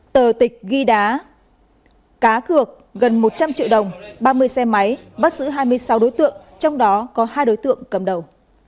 tờ tịch ghi đá cá cược gần một trăm linh triệu đồng ba mươi xe máy bắt giữ hai mươi sáu đối tượng trong đó có hai đối tượng cầm đầu